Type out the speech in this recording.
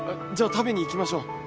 じゃあ食べに行きましょう。